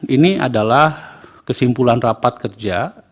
ini adalah kesimpulan rapat kerja